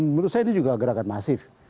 menurut saya ini juga gerakan masif